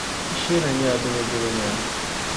Fusheina nyɛla Dolodolo nira.